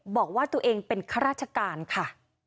บอกว่าตัวเองเป็นข้าราชการค่ะ